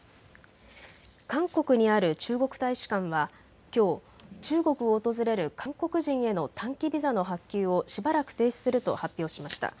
韓国にある中国大使館はきょう中国を訪れる韓国人への短期ビザの発給をしばらく停止すると発表しました。